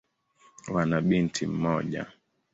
Wana binti mmoja.